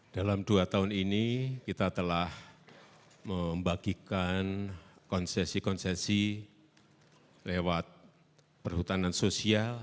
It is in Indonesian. dalam dua tahun ini kita telah membagikan konsesi konsesi lewat perhutanan sosial